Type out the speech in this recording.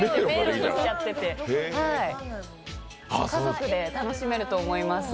家族で楽しめると思います。